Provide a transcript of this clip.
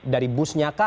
dari busnya kah